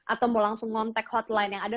atau mau langsung ngontak hotline yang ada